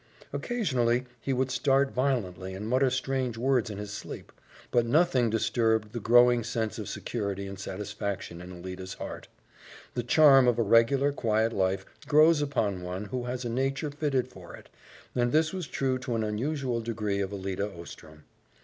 Occasionally, he would start violently and mutter strange words in his sleep, but noting disturbed the growing sense of security and satisfaction in Alida's heart. The charm of a regular, quiet life grows upon one who has a nature fitted for it, and this was true to an unusual degree of Alida Ostrom.